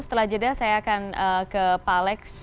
setelah jeda saya akan ke pallex